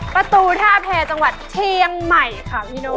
ประตูท่าแพรจังหวัดเชียงใหม่ค่ะพี่โน่